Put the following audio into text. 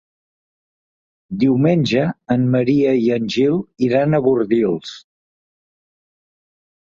Diumenge en Maria i en Gil iran a Bordils.